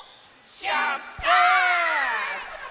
しゅっぱつ！